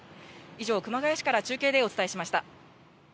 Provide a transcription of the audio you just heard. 以上、熊谷市から中継でお伝えしました。